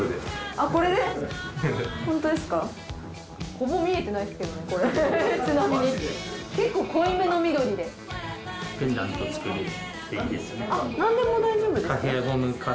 あっなんでも大丈夫ですか？